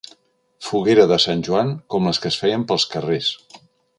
Foguera de sant Joan com les que es feien pels carrers.